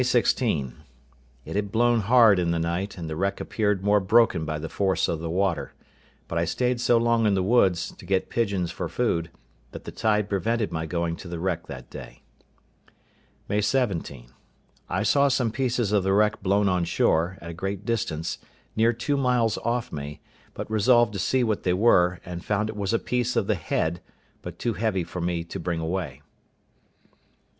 —It had blown hard in the night, and the wreck appeared more broken by the force of the water; but I stayed so long in the woods, to get pigeons for food, that the tide prevented my going to the wreck that day. May 17.—I saw some pieces of the wreck blown on shore, at a great distance, near two miles off me, but resolved to see what they were, and found it was a piece of the head, but too heavy for me to bring away.